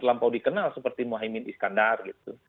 yang terlampau dikenal seperti mohaimin iskandar gitu